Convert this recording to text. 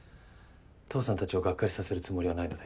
父さんたちをがっかりさせるつもりはないので。